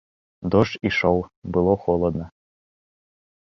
Дождж ішоў, было холадна.